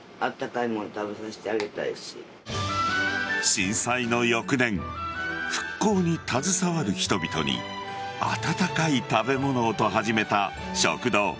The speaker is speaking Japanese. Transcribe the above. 震災の翌年復興に携わる人々に温かい食べ物をと始めた食堂。